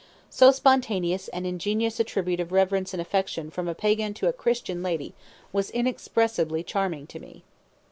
So spontaneous and ingenuous a tribute of reverence and affection from a pagan to a Christian lady was inexpressibly charming to me.